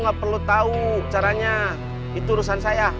gak perlu tau caranya itu urusan saya